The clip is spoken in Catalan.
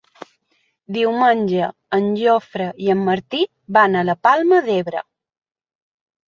Diumenge en Jofre i en Martí van a la Palma d'Ebre.